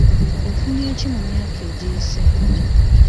Ofunye ki mu myaka egiyise?